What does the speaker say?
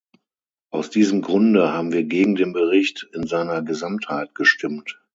Aus diesem Grunde haben wir gegen den Bericht in seiner Gesamtheit gestimmt.